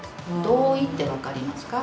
同意って分かりますか？